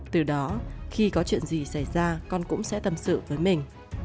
từ đó khi có chuyện gì xảy ra con cũng sẽ tâm sự với mình